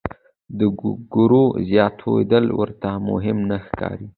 د وګړو زیاتېدل ورته مهم نه ښکاري.